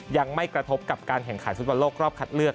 ยังไม่กระทบกับการแข่งขันฟุตบอลโลกรอบคัดเลือก